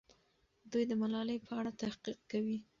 دوی د ملالۍ په اړه تحقیق کوي.